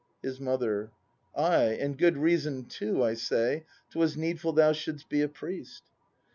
His Mother. Ay, and good reason too, I say 'Twas needful thou shouldst be a priest.